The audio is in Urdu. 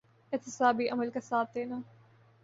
احتسابی عمل کا ساتھ دینا۔